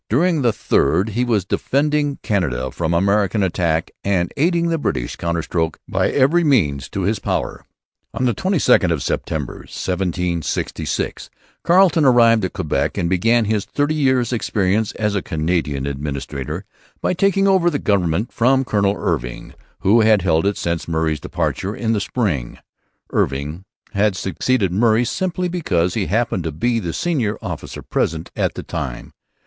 During the third he was defending Canada from American attack and aiding the British counterstroke by every means in his power. On the 22nd of September 1766 Carleton arrived at Quebec and began his thirty years' experience as a Canadian administrator by taking over the government from Colonel Irving, who had held it since Murray's departure in the spring. Irving had succeeded Murray simply because he happened to be the senior officer present at the time.